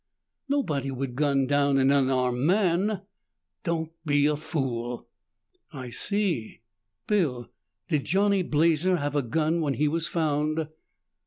"Nobody would gun down an unarmed man." "Don't be a fool." "I see. Bill, did Johnny Blazer have a gun when he was found?"